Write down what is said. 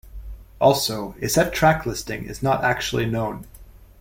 Also, a set track listing is not actually known.